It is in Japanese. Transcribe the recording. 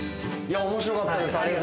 面白かったです。